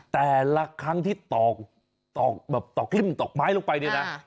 แต่ละครั้งที่ตอกแบบตอกลิ่มตอกไม้ลงไปเนี่ยนะ